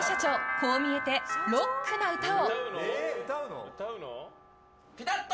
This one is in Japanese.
こう見えてロックな歌を。